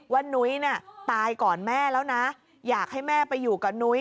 นุ้ยน่ะตายก่อนแม่แล้วนะอยากให้แม่ไปอยู่กับนุ้ย